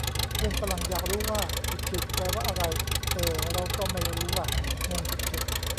เพื่อนฝรั่งอยากรู้ว่า 'ฉึกฉึก' แปลว่าอะไร เอ่อ เราก็ไม่รู้ว่ะ งงฉึกฉึก